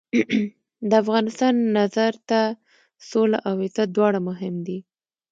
د افغان نظر ته سوله او عزت دواړه مهم دي.